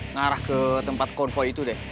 ngarah ke tempat konvoy itu deh